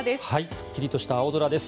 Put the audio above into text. すっきりとした青空です。